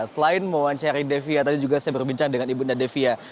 selain mewawancari devia tadi juga saya berbincang dengan ibunda devia